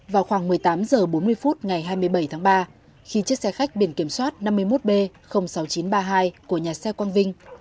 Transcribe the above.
vào khoảng một mươi tám h bốn mươi phút ngày hai mươi bảy tháng ba khi chiếc xe khách biển kiểm soát năm mươi một b sáu nghìn chín trăm ba mươi hai của nhà xe quang vinh